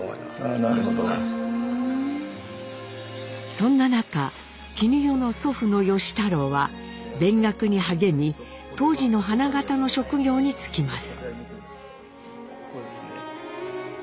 そんな中絹代の祖父の芳太郎は勉学に励み当時の花形の職業に就きます。